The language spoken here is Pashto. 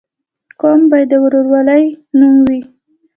قوم باید د ورورولۍ نوم وي.